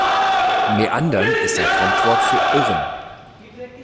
Meandern ist ein Fremdwort für "Irren".